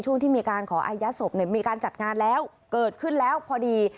ช่วงที่มีการขออายัดศพเนี่ยมีการจัดงานแล้วเกิดขึ้นแล้วพอดี